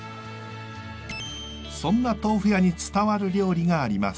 そんな豆腐屋に伝わる料理があります。